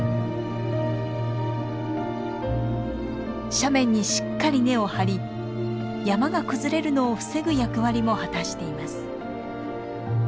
斜面にしっかり根を張り山が崩れるのを防ぐ役割も果たしています。